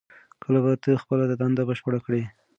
کله به ته خپله دنده بشپړه کړې؟